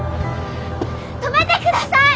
止めてください！